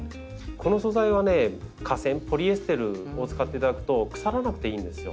この素材はね化繊ポリエステルを使っていただくと腐らなくていいんですよ。